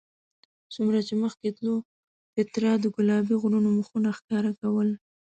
څومره چې مخکې تلو پیترا د ګلابي غرونو مخونه ښکاره کول.